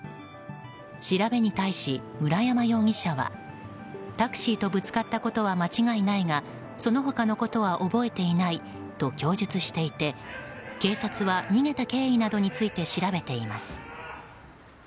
調べに対し、村山容疑者はタクシーとぶつかったことは間違いないがその他のことは覚えていないと供述していて警察は逃げた経緯などについて調べています。